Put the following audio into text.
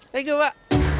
thank you mbak